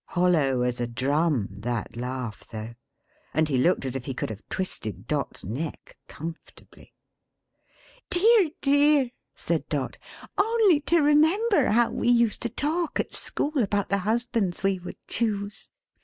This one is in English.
Hollow as a drum, that laugh though. And he looked as if he could have twisted Dot's neck: comfortably. "Dear dear!" said Dot. "Only to remember how we used to talk, at school, about the husbands we would choose.